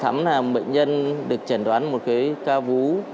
thắm là một bệnh nhân được chẳng đoán một cái ca vú